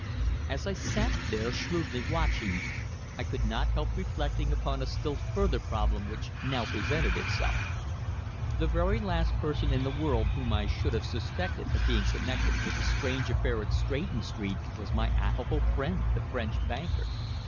As I sat there shrewdly watching, I could not help reflecting upon a still further problem which now presented itself. The very last person in the world whom I should have suspected of being connected with the strange affair at Stretton Street was my affable friend the French banker.